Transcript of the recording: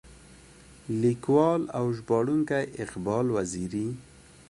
ليکوال او ژباړونکی اقبال وزيري.